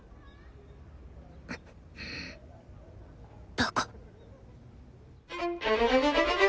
バカ。